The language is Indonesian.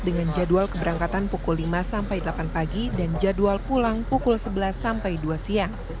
dengan jadwal keberangkatan pukul lima sampai delapan pagi dan jadwal pulang pukul sebelas sampai dua siang